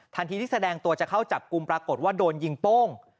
ที่แสดงตัวจะเข้าจับกลุ่มปรากฏว่าโดนยิงโป้ง